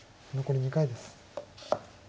残り２回です。